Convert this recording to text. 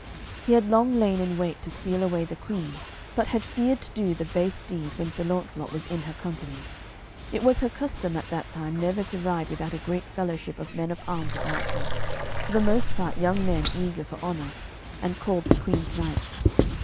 He had long lain in wait to steal away the Queen, but had feared to do the base deed when Sir Launcelot was in her company. It was her custom at that time never to ride without a great fellowship of men of arms about her, for the most part young men eager for honour, and called the Queen's knights.